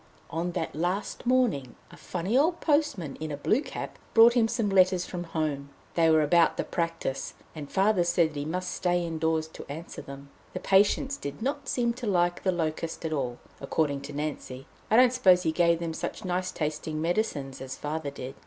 On that last morning a funny old postman in a blue cap brought him some letters from home. They were about the practice, and Father said that he must stay indoors to answer them. The patients did not seem to like the "locust" at all, according to Nancy. I don't suppose he gave them such nice tasting medicines as Father did.